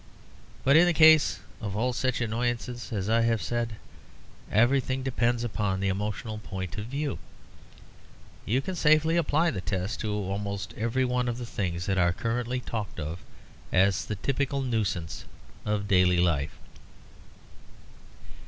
But in the case of all such annoyances, as I have said, everything depends upon the emotional point of view. You can safely apply the test to almost every one of the things that are currently talked of as the typical nuisance of daily life.